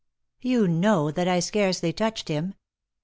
" You know that I scarcely touched him."